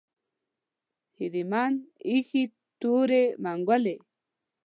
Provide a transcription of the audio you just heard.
اهریمن ایښې تورې منګولې